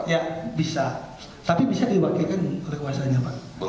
ya bisa tapi bisa diwakilkan oleh kuasanya pak